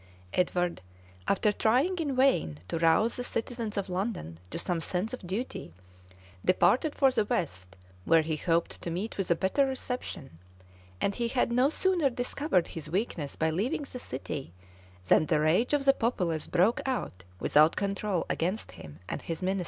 Edward, after trying in vain to rouse the citizens of London to some sense of duty,[] departed for the west, where he hoped to meet with a better reception; and he had no sooner discovered his weakness by leaving the city, than the rage of the populace broke out without control against him and his ministers.